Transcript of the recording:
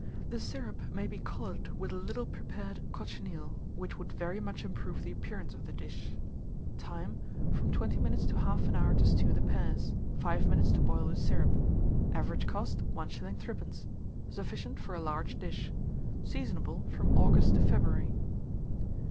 The syrup may be coloured with a little prepared cochineal, which would very much improve the appearance of the dish. Time. From 20 minutes to 1/2 hour to stew the pears; 5 minutes to boil the syrup. Average cost, 1s. 3d. Sufficient for a large dish. Seasonable from August to February.